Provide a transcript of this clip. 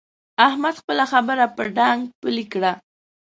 احمد خپله خبره په ډانګ پېيلې کړه.